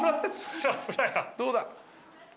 どうだ？